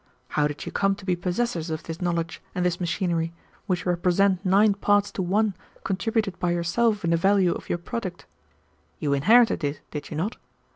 How did you come to be possessors of this knowledge and this machinery, which represent nine parts to one contributed by yourself in the value of your product? You inherited it, did you not?